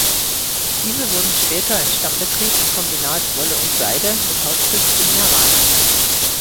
Diese wurden später ein Stammbetrieb im Kombinat „Wolle und Seide“ mit Hauptsitz in Meerane.